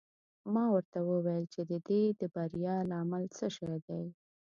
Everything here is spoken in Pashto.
ما ورته وویل چې د دې د بریا لامل څه شی دی.